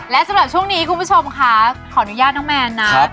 และสำหรับช่วงนี้คุณผู้ชมค่ะขออนุญาตน้องแมนนะ